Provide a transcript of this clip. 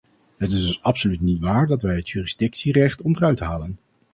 Het is dus absoluut niet waar dat wij het jurisdictierecht onderuit halen.